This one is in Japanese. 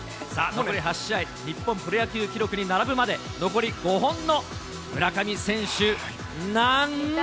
残り８試合、日本プロ野球記録に並ぶまで、残り５本の村上選手なん。